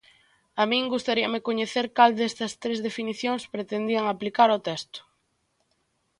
A min gustaríame coñecer cal destas tres definicións pretendían aplicar ao texto.